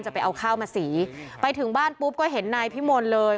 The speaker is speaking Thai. ไปเอาข้าวมาสีไปถึงบ้านปุ๊บก็เห็นนายพิมลเลย